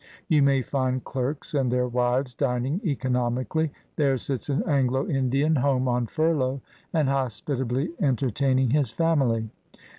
You may find clerks and their wives dining economically. There sits an Anglo Indian, home on furlough, and hospitably entertaining his family.